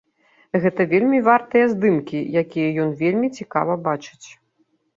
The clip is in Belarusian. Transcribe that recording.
Гэта вельмі вартыя здымкі, якія ён вельмі цікава бачыць.